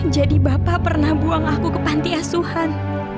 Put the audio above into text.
jadi bapak pernah buang aku ke panti asuhan